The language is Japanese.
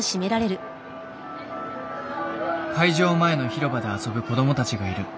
会場前の広場で遊ぶ子どもたちがいる。